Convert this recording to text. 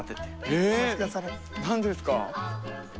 え何ですか？